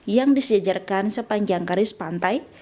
yang disijarkan sepanjang karis pantai